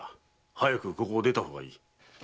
早くここを出た方がいい。